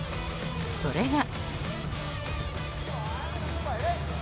それが。